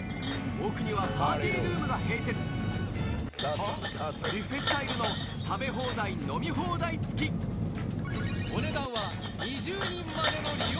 奥にはパーティールームが併設ビュッフェスタイルの食べ放題飲み放題付きお値段ははぁ！